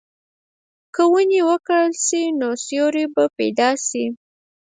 که ونې وکرل شي، نو سیوری به پیدا شي.